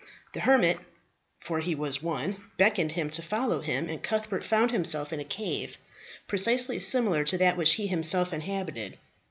The hermit for he was one beckoned him to follow him, and Cuthbert found himself in a cave precisely similar to that which he himself inhabited.